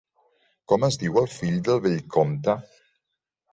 Com es diu el fill del vell comte?